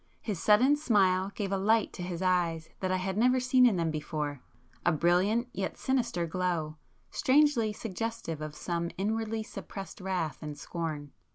His sudden smile gave a light to his eyes that I had never seen in them before,—a brilliant yet sinister glow, strangely suggestive of some inwardly suppressed wrath and scorn.